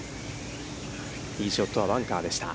ティーショットはバンカーでした。